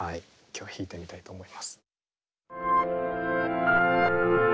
今日弾いてみたいと思います。